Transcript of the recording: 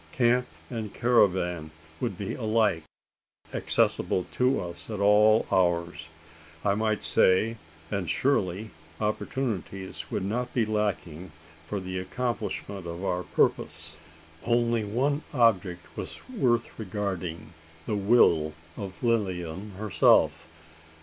Camp and caravan would be alike accessible to us at all hours, I might say and surely opportunities would not be lacking for the accomplishment of our purpose? Only one object was worth regarding: the will of Lilian herself.